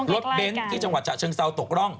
รถเบนต์ที่จังหวัดจะเชิงเศร้าตกร่อง